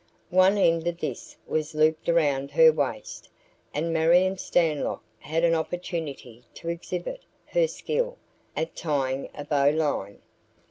One end of this was looped around her waist, and Marion Stanlock had an opportunity to exhibit her skill at tying a bowline.